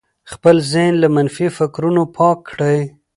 خپل ذهن له منفي فکرونو پاک کړئ.